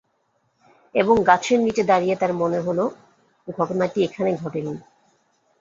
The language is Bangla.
এবং গাছের নিচে দাঁড়িয়ে তাঁর মনে হলো, ঘটনাটি এখানে ঘটে নি।